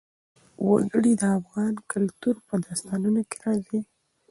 وګړي د افغان کلتور په داستانونو کې راځي.